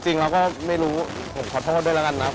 จริงเราก็ไม่รู้ผมขอโทษด้วยแล้วกันนะ